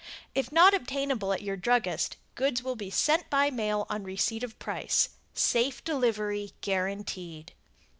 If not obtainable at your druggist, goods will be sent by mail on receipt of price. Safe delivery guaranteed.